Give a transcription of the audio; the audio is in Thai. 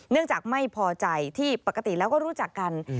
จากไม่พอใจที่ปกติแล้วก็รู้จักกัน